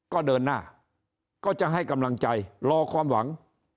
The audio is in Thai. ก็เดินหน้าก็จะให้กำลังใจรอความหวัง